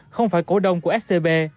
không phải cổ đông của scb